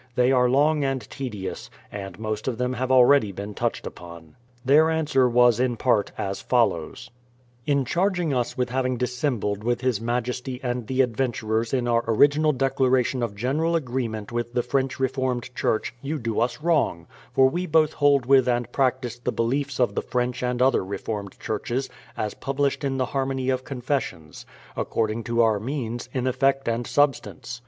They are long and tedious, and most of them have already been touched upon. Their answer was in part as follows : In charging us with having dissembled with his majesty and the adventurers in our original declaration of general agreement with the French Reformed Church, you do us wrong, for we both hold with and practice the beliefs of the French and other Reformed Churches as published in the Harmony of Confessions, according to our means, in effect and substance.